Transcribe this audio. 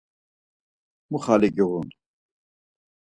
Mu xali giğun?